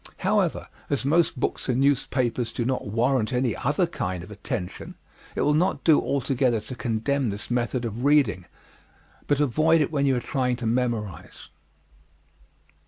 However, as most books and newspapers do not warrant any other kind of attention, it will not do altogether to condemn this method of reading; but avoid it when you are trying to memorize.